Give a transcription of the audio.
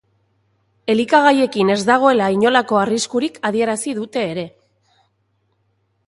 Elikagaiekin ez dagoela inolako arriskurik adierazi dute ere.